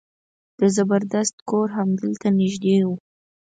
د زبردست کور همدلته نژدې و.